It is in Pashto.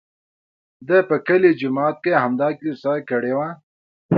ده په کلي جومات کې همدا کیسه کړې وه.